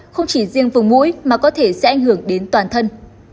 không chỉ riêng vùng mũi mà có thể sẽ ảnh hưởng đến toàn thân